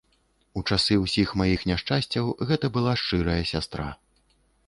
У часы ўсіх маіх няшчасцяў гэта была шчырая сястра.